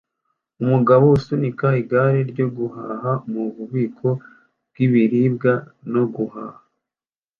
Umugabo asunika igare ryo guhaha mububiko bw'ibiribwa no guhaha